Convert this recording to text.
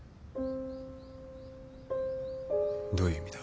どういう意味だ。